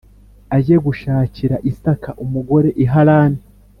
ajye gushakira Isaka umugore i Harani